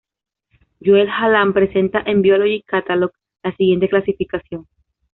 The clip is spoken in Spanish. Joel Hallan presenta en "Biology Catalog" la siguiente clasificación.